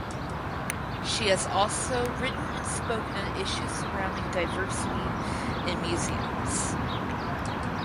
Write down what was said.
She has also written and spoken on issues surrounding diversity in museums.